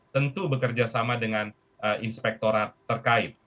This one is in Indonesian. tentu bekerja sama dengan inspektorat terkait